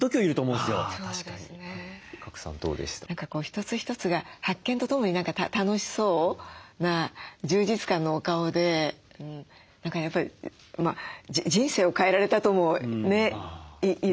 一つ一つが発見とともに楽しそうな充実感のお顔で何かやっぱり人生を変えられたともね言っていいと。